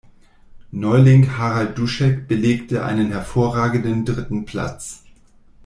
Neuling Harald Duschek belegte einen hervorragenden dritten Platz.